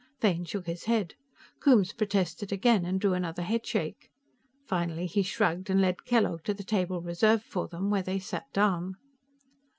Fane shook his head. Coombes protested again, and drew another headshake. Finally he shrugged and led Kellogg to the table reserved for them, where they sat down.